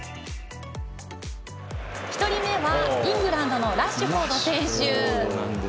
１人目はイングランドのラッシュフォード選手。